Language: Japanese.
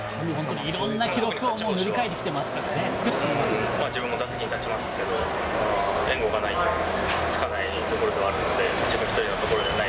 いろんな記録をもう塗り替え自分も打席に立ちますけど、援護がないとつかないところではあるので、自分一人のものではない。